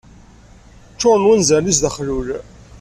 Ččuren wanzaren-is d axlul.